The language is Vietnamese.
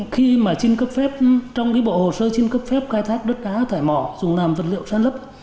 khi mà xin cấp phép trong bộ hồ sơ xin cấp phép khai thác đất đá thải mỏ dùng làm vật liệu san lấp